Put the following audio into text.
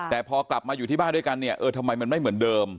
แต่พอกลับมาอยู่ที่บ้านด้วยกันเนี่ยเออทำไมมันไม่เหมือนเดิม